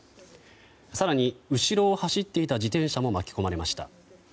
更に、後ろを走っていた自転車も巻き込まれました。